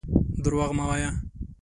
درواغ مه وايه.